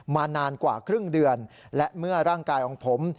นานกว่าครึ่งเดือนและเมื่อร่างกายของผม